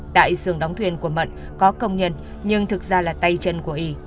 tại sườn đóng thuyền của mận có công nhân nhưng thực ra là tay chân của ý